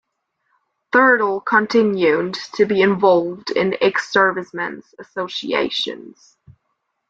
Thurtle continued to be involved in ex-servicemen's associations.